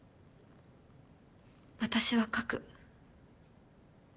私は描く。